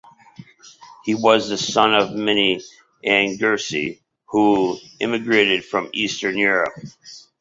He was the son of Minny and Gershon Leiner, who immigrated from Eastern Europe.